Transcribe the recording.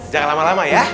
jangan lama lama ya